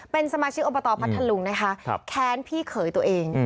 เป็นสมาชิกอบตพัทธลุงนะคะแค้นพี่เขยตัวเอง